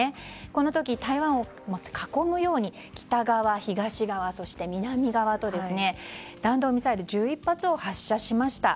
この時、台湾を囲むように北側、東側、そして南側と弾道ミサイル１１発を発射しました。